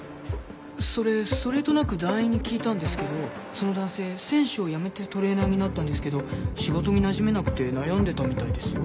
それそれとなく団員に聞いたんですけどその男性選手を辞めてトレーナーになったんですけど仕事になじめなくて悩んでたみたいですよ。